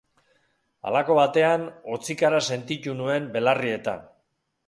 Halako batean, hotzikara sentitu nuen belarrietan.